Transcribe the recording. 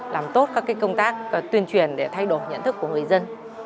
làm tốt các công tác tuyên truyền để thay đổi nhận thức của người dân